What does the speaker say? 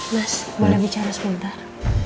mas boleh bicara sebentar